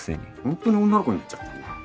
ホントに女の子になっちゃったんだ。